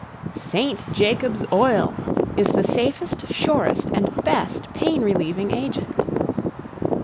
ST. JACOBS OIL is the safest, surest and best pain relieving agent.